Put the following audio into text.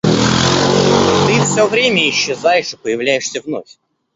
Ты всё время исчезаешь и появляешься вновь.